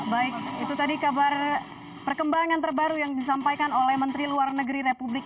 baik itu tadi kabar perkembangan terbaru yang disampaikan oleh menteri luar negeri republik